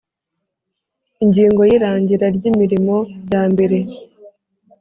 Ingingo y Irangira ry imirimo ya mbere